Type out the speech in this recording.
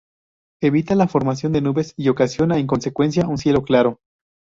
Evita la formación de nubes y ocasiona en consecuencia un cielo claro.